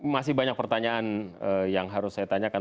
masih banyak pertanyaan yang harus saya tanyakan